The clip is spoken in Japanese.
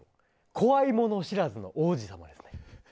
怖いもの知らずの王子様。